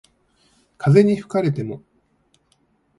風に吹かれても